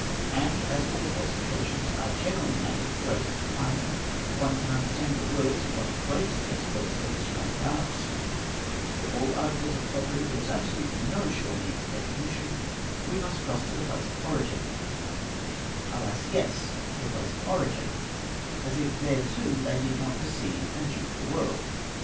And as all the falsifications are generally made with : the greatest refinement, one can understand the words of one of the greatest experts of the ceramic arts: " For all articles of pottery there is : absolutely no sure means of recognition, we must trust to the place of PEE — sae Z POD e ie a bh Be 20) oS Oe RS Lede a FABRICATION OF ANTIQUITIES, ETC. 835 origin''. Alas, yes, the place of origin! As if there too they did not deceive and dupe the world!